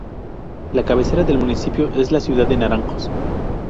La cabecera del municipio es la ciudad de Naranjos.